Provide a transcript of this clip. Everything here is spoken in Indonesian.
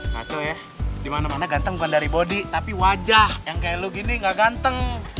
kacau ya dimana mana ganteng bukan dari bodi tapi wajah yang kayak lu gini gak ganteng